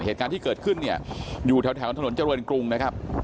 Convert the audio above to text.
เหตุการณ์ที่เกิดขึ้นเนี่ยอยู่แถวถนนเจริญกรุงนะครับ